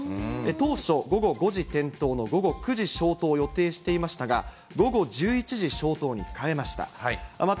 当初午後５時点灯の午後９時消灯を予定していましたが、午後１１時消灯に変えました。